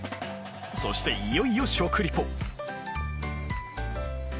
そしていよいよ食リポ